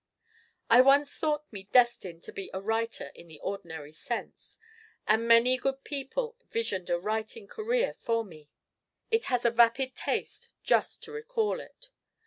I once thought me destined to be a 'writer' in the ordinary sense. And many good people visioned a writing career for me. It has a vapid taste, just to recall it.